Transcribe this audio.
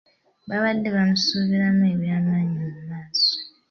Baabadde bamusuubiramu ebyamaanyi mu maaso.